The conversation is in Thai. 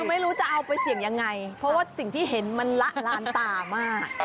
ไม่รู้จะเอาไปเสี่ยงยังไงเพราะว่าสิ่งที่เห็นมันละลานตามาก